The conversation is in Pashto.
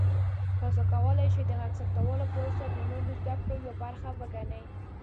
تاسو کولی شئ د غږ ثبتولو پروسه د نوو زده کړو یوه برخه وګڼئ.